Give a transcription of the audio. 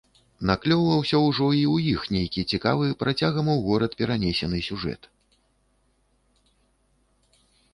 Наклёўваўся ўжо і ў іх нейкі цікавы, працягам у горад перанесены сюжэт.